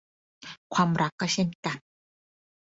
ความรักก็เช่นกัน